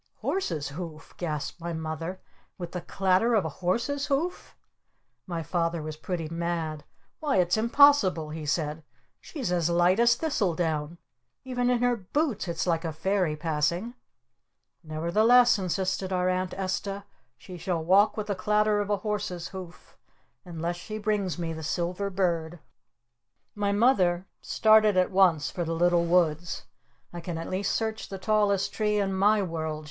"Horse's Hoof?" gasped my Mother. "With the clatter of a Horse's Hoof?" My Father was pretty mad. "Why, it's impossible!" he said. "She's as light as Thistle Down! Even in her boots it's like a Fairy passing!" "Nevertheless," insisted our Aunt Esta. "She shall walk with the clatter of a Horse's Hoof unless she brings me the Silver Bird." My Mother started at once for the Little Woods. "I can at least search the Tallest Tree in my world!"